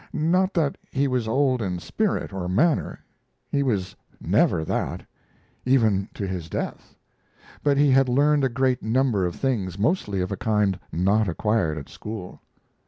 Not that he was old in spirit or manner he was never that, even to his death but he had learned a great number of things, mostly of a kind not acquired at school.